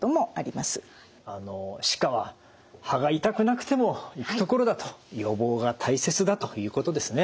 歯科は歯が痛くなくても行く所だと予防が大切だということですね。